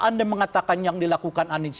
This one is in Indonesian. anda mengatakan yang dilakukan anies